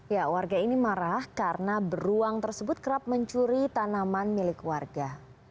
ya warga ini marah karena beruang tersebut kerap mencuri tanaman milik warga